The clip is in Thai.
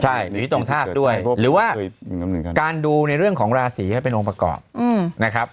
ใช่หรือที่ตรงธาตุด้วยหรือว่าการดูในเรื่องของราศีให้เป็นองค์ประกอบนะครับ